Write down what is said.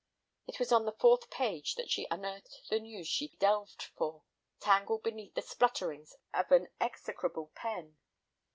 It was on the fourth page that she unearthed the news she delved for, tangled beneath the splutterings of an execrable pen.